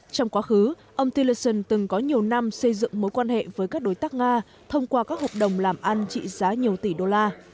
trong quá khứ ông teleson từng có nhiều năm xây dựng mối quan hệ với các đối tác nga thông qua các hợp đồng làm ăn trị giá nhiều tỷ đô la